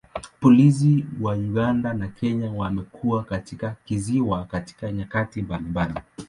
Polisi wa Uganda na Kenya wamekuwa katika kisiwa katika nyakati mbalimbali.